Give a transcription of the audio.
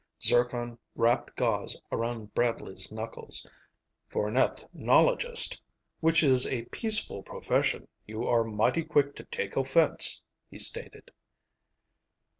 Zircon wrapped gauze around Bradley's knuckles. "For an ethnologist, which is a peaceful profession, you are mighty quick to take offense," he stated.